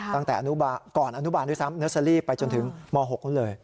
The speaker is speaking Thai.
ตั้งแต่ก่อนอนุบาลด้วยซ้ำเนอร์เซอรี่ไปจนถึงม๖นู้นเลย